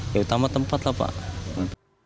ya utama tempat lah pak